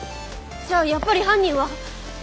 じゃあやっぱり犯人は。